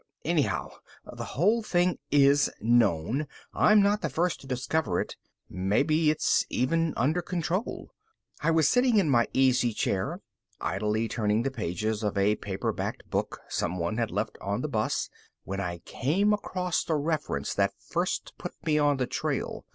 Anyhow, the whole thing is known; I'm not the first to discover it. Maybe it's even under control. I was sitting in my easy chair, idly turning the pages of a paperbacked book someone had left on the bus, when I came across the reference that first put me on the trail.